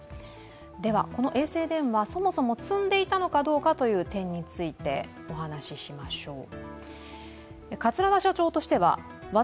では、この衛星電話、そもそも積んでいたかという点についてお話ししましょう。